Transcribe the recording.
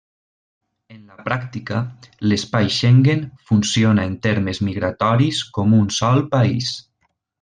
En la pràctica, l'espai Schengen funciona en termes migratoris com un sol país.